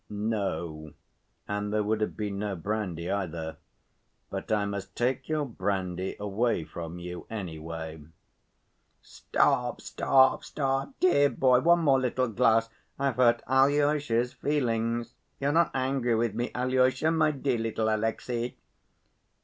"No. And there would have been no brandy either. But I must take your brandy away from you, anyway." "Stop, stop, stop, dear boy, one more little glass. I've hurt Alyosha's feelings. You're not angry with me, Alyosha? My dear little Alexey!"